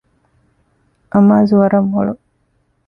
އަމާޒު ވަރަށް މޮޅު